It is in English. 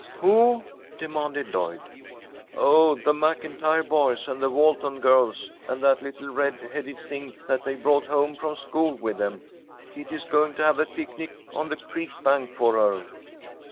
"Who?" demanded Lloyd. "Oh, the MacIntyre boys and the Walton girls and that little red headed thing that they brought home from school with them. Kitty's going to have a picnic on the creek bank for her."